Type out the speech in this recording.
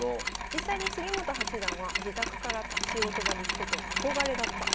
実際に杉本八段は「自宅から仕事場に行くことは憧れだった。